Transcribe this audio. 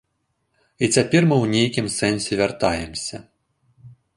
І цяпер мы ў нейкім сэнсе вяртаемся.